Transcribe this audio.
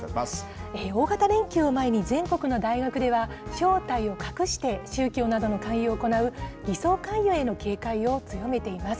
大型連休を前に、全国の大学では、正体を隠して宗教などの勧誘を行う偽装勧誘への警戒を強めています。